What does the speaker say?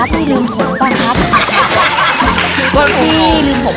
ไม่ลืมผมปะครับ